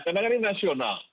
karena ini nasional